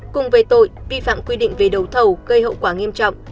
cùng về tội vi phạm quy định về đầu thầu gây hậu quả nghiêm trọng